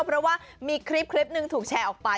เพราะว่ามีคลิปหนึ่งถูกแชร์ออกไป